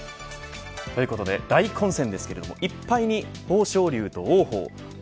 ということで大混戦ですけれども１敗に豊昇龍と王鵬。